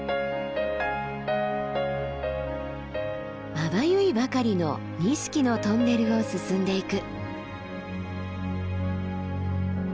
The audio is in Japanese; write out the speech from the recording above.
まばゆいばかりの錦のトンネルを進んでいく。